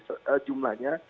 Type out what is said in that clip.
saya lupa jumlahnya